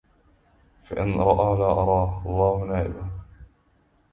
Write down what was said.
فإن رأى لا أراه الله نائبة